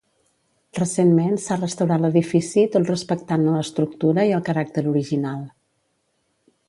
Recentment s'ha restaurat l'edifici tot respectant-ne l'estructura i el caràcter original.